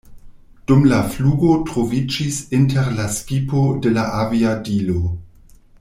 Dum la flugo troviĝis inter la skipo de la aviadilo.